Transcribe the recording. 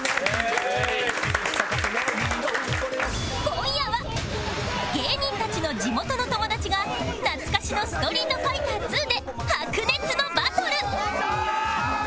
今夜は芸人たちの地元の友達が懐かしの『ストリートファイター Ⅱ』で白熱のバトル！